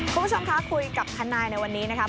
คุณผู้ชมคะคุยกับทนายในวันนี้นะครับ